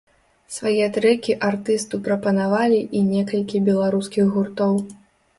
Свае трэкі артысту прапанавалі і некалькі беларускіх гуртоў.